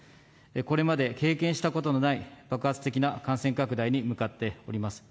これまで経験したことのない、爆発的な感染拡大に向かっております。